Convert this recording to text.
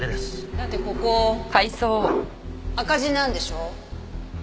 だってここ赤字なんでしょう？